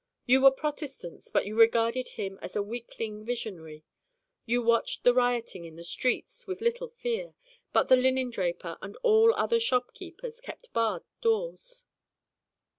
You were Protestants but you regarded him as a weakling visionary. You watched the rioting in the streets with little fear, but the linen draper and all other shop keepers kept barred doors.